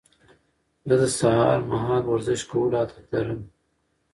زه د سهار مهال ورزش کولو عادت لرم.